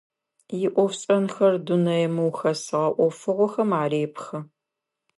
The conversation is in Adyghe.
Иӏофшӏэнхэр дунэе мыухэсыгъэ ӏофыгъохэм арепхы.